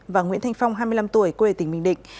và nguyễn thanh phong hai mươi năm tuổi quê tỉnh bình định